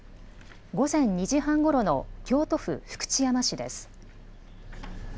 午前２時半ごろの京都府福知山市です。